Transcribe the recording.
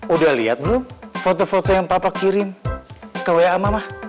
udah liat belum foto foto yang papa kirim ke wa mama